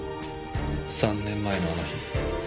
３年前のあの日。